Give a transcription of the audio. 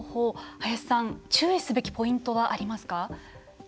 林さん、注意すべきポイントはありますか。